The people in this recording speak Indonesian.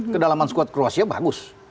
kedalaman skuad kruasia bagus